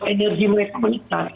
energi mereka menikmati